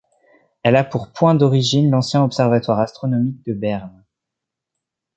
Elle a pour point d'origine l'ancien observatoire astronomique de Berne.